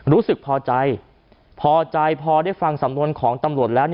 รู้สึกพอใจพอใจพอได้ฟังสำนวนของตำรวจแล้ว